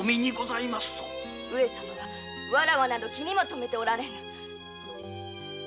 上様はわらわなど気にもとめておられぬ。